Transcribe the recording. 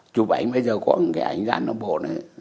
chụp ảnh bây giờ có một cái ảnh gian đồng bộ đấy